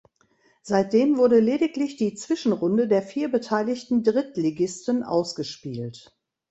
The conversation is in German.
Seitdem wurde lediglich die Zwischenrunde der vier beteiligten Drittligisten ausgespielt.